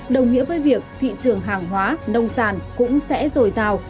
đồng nghĩa với việc thị trường hàng hóa nông sản cũng sẽ dồi dào